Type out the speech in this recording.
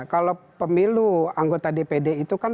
kalau pemilu anggota dpd itu kan